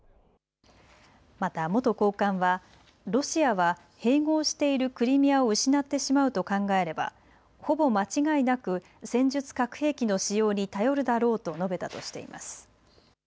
また元高官は、ロシアは併合しているクリミアを失ってしまうと考えればほぼ間違いなく戦術核兵器の使用に頼るだろうと述べたとしています。